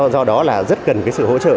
do đó là rất cần sự hỗ trợ